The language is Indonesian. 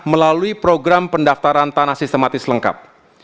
melalui program pendaftaran tanah sistematis lengkap